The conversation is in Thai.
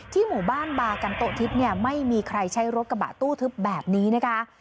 หมู่บ้านบากันโต๊ทิศเนี่ยไม่มีใครใช้รถกระบะตู้ทึบแบบนี้นะคะ